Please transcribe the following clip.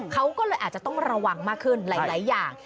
เขาก็เลยอาจจะต้องระวังมากขึ้นหลายอย่าง